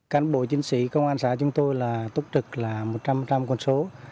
cán bộ chiến sĩ công an xã chúng tôi là túc trực là một trăm linh quân số